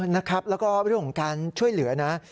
แล้วก็เรื่องของการช่วยเหลือนะ